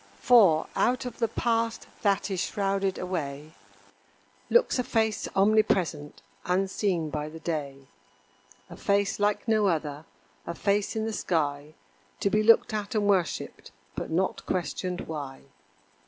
For, out of the past that is shrouded away, Looks a face omnipresent, unseen by the day. A face like no other a face in the sky To be looked at and worshipped, but not questioned why.